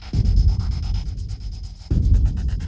ตอนที่สุดมันกลายเป็นสิ่งที่ไม่มีความคิดว่า